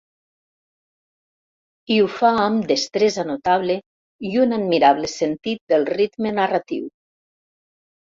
I ho fa amb destresa notable i un admirable sentit del ritme narratiu.